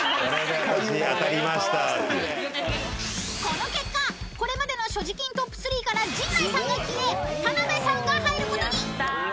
［この結果これまでの所持金トップ３から陣内さんが消え田辺さんが入ることに］